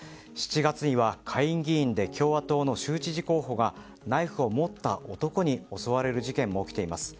７月には、下院議員で共和党の州知事候補がナイフを持った男に襲われる事件も起きています。